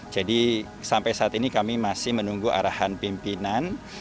jadi sampai saat ini kami masih menunggu arahan pimpinan